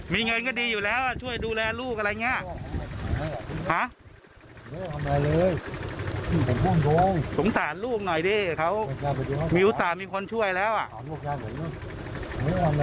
มีเงินก็ดีอยู่แล้วช่วยดูแล้วลูกอะไรเนี้ยสงสารลูกหน่อยดิเขามีอุตส่าห์มีคนช่วยแล้วอ่ะ